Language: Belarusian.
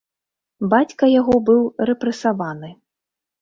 Бацька яго быў рэпрэсаваны.